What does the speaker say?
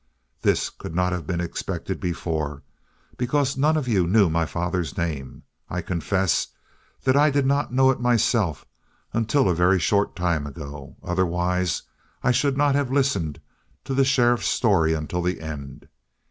"This could not have been expected before, because none of you knew my father's name. I confess that I did not know it myself until a very short time ago. Otherwise I should not have listened to the sheriff's story until the end.